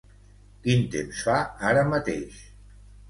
Quin temps fa ara mateix?